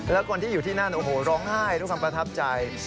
แล้วคนที่อยู่ที่นั่นโอ้โหร้องไห้ด้วยความประทับใจ